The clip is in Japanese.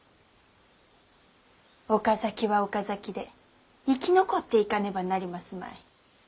岡崎は岡崎で生き残っていかねばなりますまい。